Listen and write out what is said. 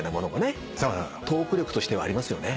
トーク力としてはありますよね。